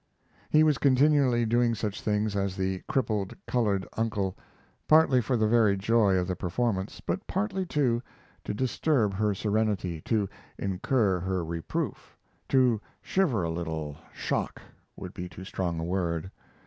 He was continually doing such things as the "crippled colored uncle,"; partly for the very joy of the performance, but partly, too, to disturb her serenity, to incur her reproof, to shiver her a little "shock" would be too strong a word.